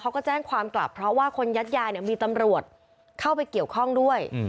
เขาก็แจ้งความกลับเพราะว่าคนยัดยาเนี่ยมีตำรวจเข้าไปเกี่ยวข้องด้วย